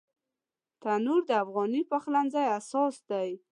تنور د افغاني پخلنځي اساس دی